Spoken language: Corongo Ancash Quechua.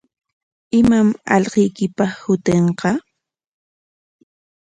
¿Imam allquykipa shutinqa?